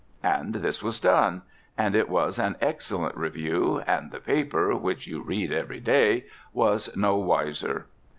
And this was done; and it was an excellent review; and the paper (which you read every day) was no wiser.